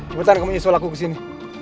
bentar kamu nyusul aku kesini